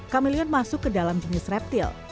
kamelion masuk ke dalam jenis reptil